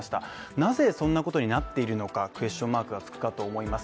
なぜそんなことになっているのかクエスチョンマークがつくかと思います